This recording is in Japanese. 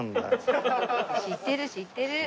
知ってる知ってる。